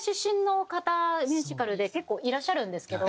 ミュージカルで結構いらっしゃるんですけど。